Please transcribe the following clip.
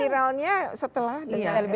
viralnya setelah dengan lbap